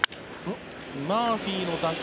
マーフィーの打球